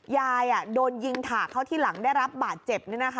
ยายโดนยิงถากเข้าที่หลังได้รับบาดเจ็บ